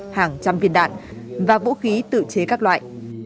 hàng trăm viên đạn và vũ khí tự chế các loại